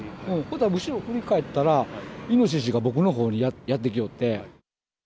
後ろ振り返ったら、イノシシが僕のほうにやってきおって。